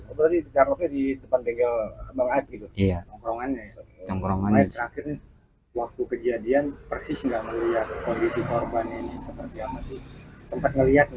waktu kejadian persis nggak melihat kondisi korban ini seperti apa sih tempat ngelihat